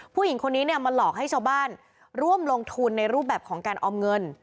ผู้หญิงคนนี้เนี่ยมาหลอกให้ชาวบ้านร่วมลงทุนในรูปแบบของการออมเงิน